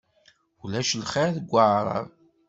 Ulac lxir deg Waɛrab.